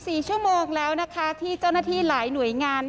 สี่ชั่วโมงแล้วนะคะที่เจ้าหน้าที่หลายหน่วยงาน